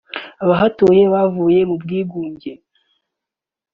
abahatuye bavuye mu bwigunge